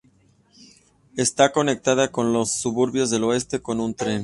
Está conectado con los suburbios del oeste con un tren.